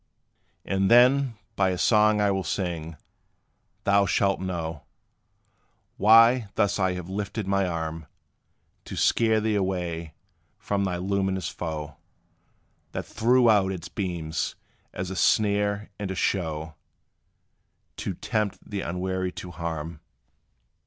And then, by a song I will sing, thou shalt know, Why thus I have lifted my arm To scare thee away from thy luminous foe. That threw out its beams, as a snare, and a show To tempt the unwary to harm.